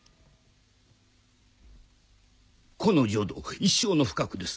このジョドー一生の不覚です